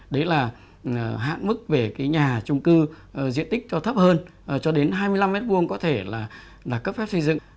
đấy là hạn mức về cái nhà trung cư diện tích cho thấp hơn cho đến hai mươi năm m hai có thể là cấp phép xây dựng